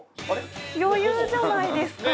余裕じゃないですか。